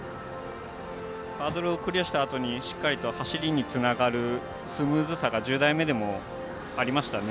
ハードルをクリアしたあとしっかりと走りにつながるスムーズさがありましたね。